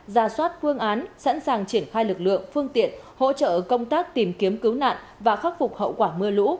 ra soát phương án sẵn sàng triển khai lực lượng phương tiện hỗ trợ công tác tìm kiếm cứu nạn và khắc phục hậu quả mưa lũ